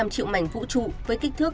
một trăm linh triệu mảnh vũ trụ với kích thước